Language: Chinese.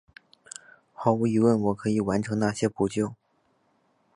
毫无疑问我可以完成那些扑救！